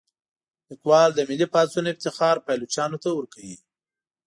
لیکوال د ملي پاڅون افتخار پایلوچانو ته ورکوي.